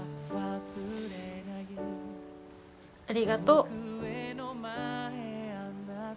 ありがとう。